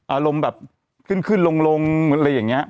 อารมณ์แบบขึ้นขึ้นลงอะไรอย่างนี้